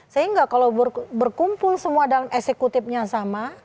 sehingga kalau berkumpul semua dalam eksekutifnya sama